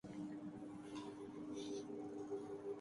کے لئے ایک مسلمان گھرانے میں اِس بھروسے پر بھیج دی تھی